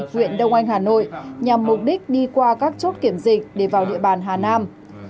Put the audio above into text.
huyện đông anh hà nội nhằm mục đích đi qua các chốt kiểm dịch để vào địa bàn hà nam